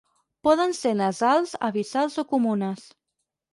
Poden ser nasals, abissals o comunes.